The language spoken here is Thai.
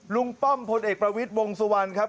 ป้อมพลเอกประวิทย์วงสุวรรณครับ